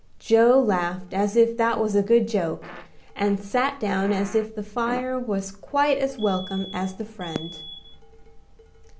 Joe laughed as if that was a good joke, and sat down as if the fire was quite as welcome as the friend.